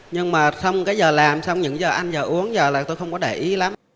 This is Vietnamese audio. nhưng mà không cái giờ làm xong những giờ anh giờ uống giờ là tôi không có để ý lắm